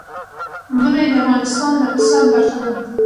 منی د افغانستان د اقتصاد برخه ده.